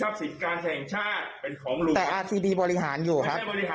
บริษัทเขาบอกคุณยังไง